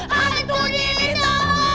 hantu di situ